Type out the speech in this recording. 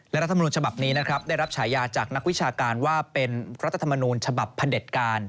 และรัฐมนุนฉบับนี้นะครับได้รับฉายาจากนักวิชาการว่าเป็นรัฐธรรมนูญฉบับพระเด็จการ